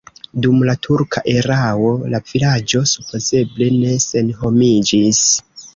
Dum la turka erao la vilaĝo supozeble ne senhomiĝis.